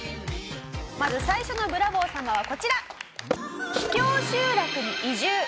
まず最初のブラボー様はこちら！